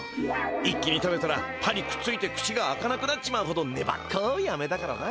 一気に食べたら歯にくっついて口が開かなくなっちまうほどねばっこいアメだからな。